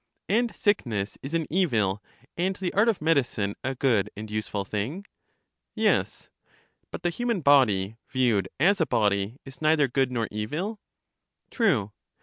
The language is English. And sickness is an evil, and the art of medicine a good and useful thing? Yes. But the human body, viewed as a body, is neither good nor evil? True.